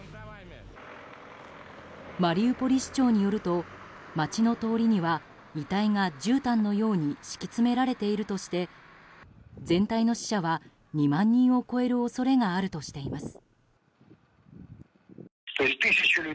マリウポリ市長によると街の通りには遺体がじゅうたんのように敷き詰められているとして全体の死者は２万人を超える恐れがあるとしています。